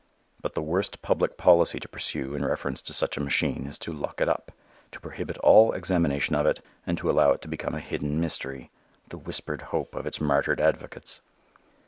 But the worst public policy to pursue in reference to such a machine is to lock it up, to prohibit all examination of it and to allow it to become a hidden mystery, the whispered hope of its martyred advocates.